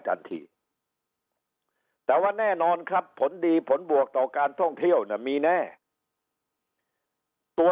ทันทีแต่ว่าแน่นอนครับผลดีผลบวกต่อการท่องเที่ยวน่ะมีแน่ตัว